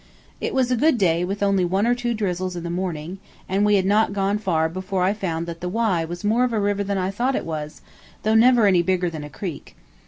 It was a good day, with only one or two drizzles in the morning, and we had not gone far before I found that the Wye was more of a river than I thought it was, though never any bigger than a creek.